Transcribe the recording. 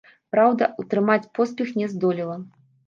Праўда, утрымаць поспех не здолела.